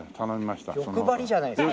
欲張りじゃないですか。